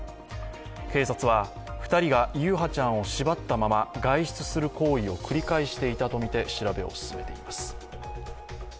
警察は２人が優陽ちゃんを縛ったまま外出する行為を繰り返していたとみて調べを進めています。